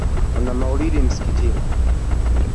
Kuna maulidi msikitini